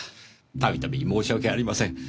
度々申し訳ありません。